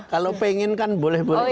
kalau pengen kan boleh boleh